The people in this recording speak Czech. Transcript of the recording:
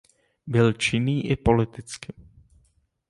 Byl činný i politicky.